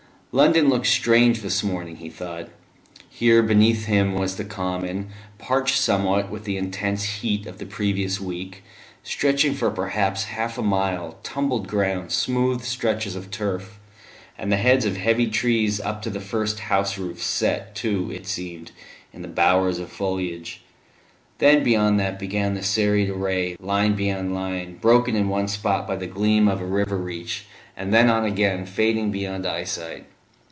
London looked strange this morning, he thought. Here beneath him was the common, parched somewhat with the intense heat of the previous week, stretching for perhaps half a mile tumbled ground, smooth stretches of turf, and the heads of heavy trees up to the first house roofs, set, too, it seemed, in bowers of foliage. Then beyond that began the serried array, line beyond line, broken in one spot by the gleam of a river reach, and then on again fading beyond eyesight.